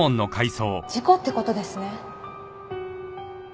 事故って事ですね？